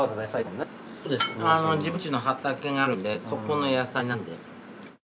自分家の畑があるんでそこの野菜なんで。